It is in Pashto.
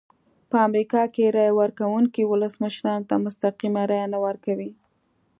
په امریکا کې رایه ورکوونکي ولسمشرانو ته مستقیمه رایه نه ورکوي.